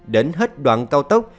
đến hết đoạn cao tốc